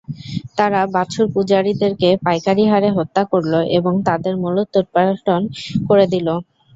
তারা বাছুর পূজারীদেরকে পাইকারী হারে হত্যা করল এবং তাদের মূলোৎপাটন করে দিল।